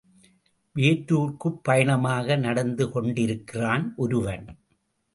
வேற்றூர்க்குப் பயணமாக நடந்து கொண்டிருக்கிறான் ஒருவன்.